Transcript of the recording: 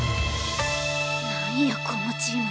なんやこのチーム。